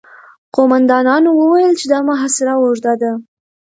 قوماندانانو وويل چې دا محاصره اوږده ده.